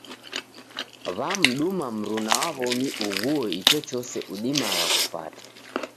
Wamduma mruna wa w'omi uguo ichochose udimagha kupata.